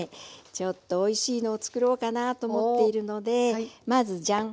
ちょっとおいしいのを作ろうかなと思っているのでまずジャン。